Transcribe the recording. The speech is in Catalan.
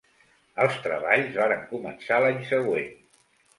Els treballs varen començar l'any següent.